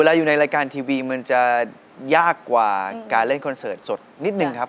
เวลาอยู่ในรายการทีวีมันจะยากกว่าการเล่นคอนเสิร์ตสดนิดนึงครับ